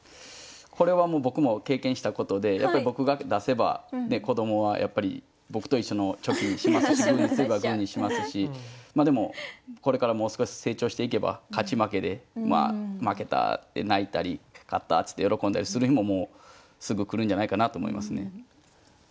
これはもう僕も経験したことでやっぱり僕が出せばね子どもはやっぱり僕と一緒のチョキにしますしグーにすればグーにしますしでもこれからもう少し成長していけば勝ち負けで負けたって泣いたり勝ったって喜んだりする日ももうすぐ来るんじゃないかなと思いますね。